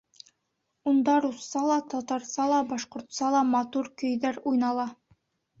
Унда русса ла, татарса ла, башҡортса ла матур көйҙәр уйнала.